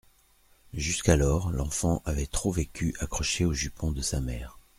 Jusqu'alors, l'enfant avait trop vécu accroché aux jupons de sa mère.